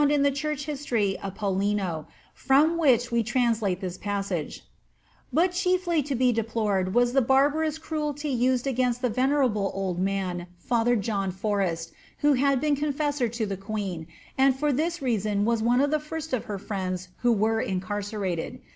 in the Church History of Pollino, from which we translate this passage; *^ But chiefly to be deplored was the barbarous crudty used against tha venerable old man Father John Forrest, who had been confessor to the queen, and for this reason was one of the first of her friends who were incarcerated.